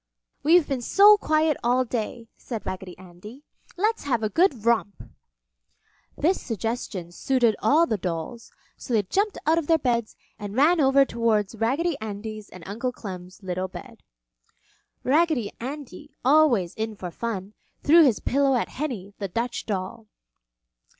"We've been so quiet all day," said Raggedy Andy. "Let's have a good romp!" This suggestion suited all the dolls, so they jumped out of their beds and ran over towards Raggedy Andy's and Uncle Clem's little bed. Raggedy Andy, always in for fun, threw his pillow at Henny, the Dutch doll.